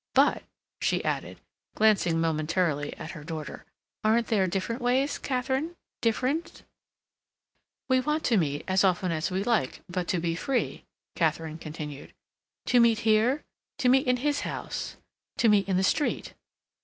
"But," she added, glancing momentarily at her daughter, "aren't there different ways, Katharine—different—?" "We want to meet as often as we like, but to be free," Katharine continued. "To meet here, to meet in his house, to meet in the street."